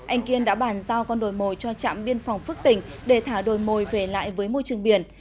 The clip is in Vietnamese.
anh kiên đã bàn giao con đồi mồi cho trạm biên phòng phước tỉnh để thả đồi mồi về lại với môi trường biển